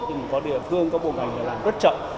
nhưng có địa phương có bộ ngành là làm rất chậm